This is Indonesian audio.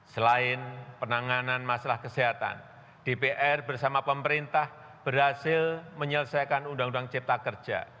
selain penanganan masalah kesehatan dpr bersama pemerintah berhasil menyelesaikan undang undang cipta kerja